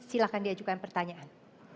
silahkan diajukan pertanyaan